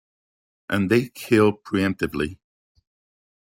And they kill pre-emptively.